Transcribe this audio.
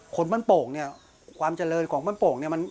คนปั้นโป่งความเจริญของปั้นโป่ง